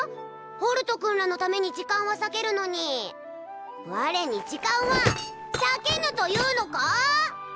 ホルト君らのために時間は割けるのに我に時間は割けぬというのか？